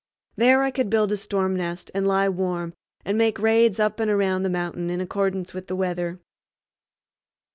There I could build a storm nest and lie warm, and make raids up and around the mountain in accordance with the weather.